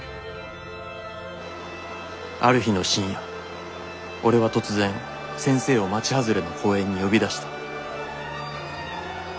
「ある日の深夜俺は突然先生を町はずれの公園に呼び出した」。